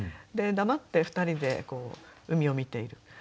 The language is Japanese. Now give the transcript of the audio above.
で黙って２人で海を見ている。